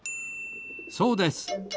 そうです。